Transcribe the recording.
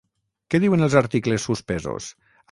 Què diuen els articles suspesos?